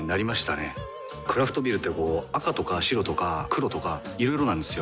クラフトビールってこう赤とか白とか黒とかいろいろなんですよ。